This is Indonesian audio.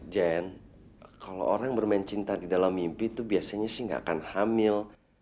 jen kalau orang bermain cinta di dalam mimpi itu biasanya sih nggak akan hamil